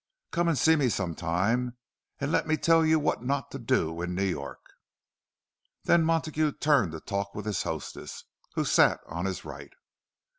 Come and see me sometime, and let me tell you what not to do in New York." Then Montague turned to talk with his hostess, who sat on his right.